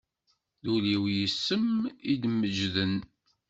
D ul-iw yes-m i d-imeǧǧden.